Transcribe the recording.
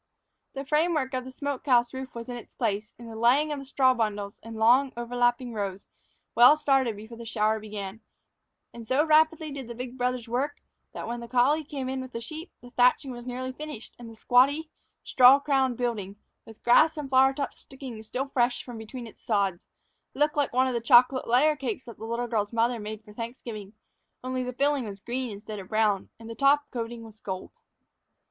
The framework of the smoke house roof was in its place, and the laying of the straw bundles, in long, overlapping rows, well started before the shower began; and so rapidly did the big brothers work, that when the collie came in with the sheep, the thatching was nearly finished, and the squatty, straw crowned building, with grass and flower tops sticking, still fresh, from between its sods, looked like one of the chocolate layer cakes that the little girl's mother made for Thanksgiving, only the filling was green instead of brown, and the top coating was gold.